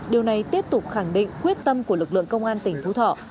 điều này tiếp tục khẳng định quyết tâm của lực lượng công an tỉnh phú thọ